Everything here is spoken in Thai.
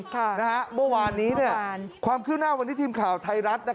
เมื่อวานนี้ความคืบหน้าวันนี้ทีมข่าวไทยรัฐ